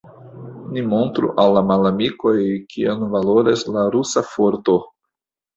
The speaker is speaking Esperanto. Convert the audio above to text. Ni montru al la malamikoj, kion valoras la rusa forto!